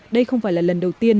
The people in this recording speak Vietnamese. đây không phải là lần đầu tiên